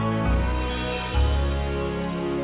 terima kasih amon